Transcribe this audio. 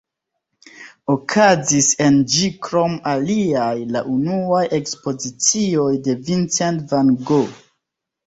Okazis en ĝi krom aliaj la unuaj ekspozicioj de Vincent van Gogh.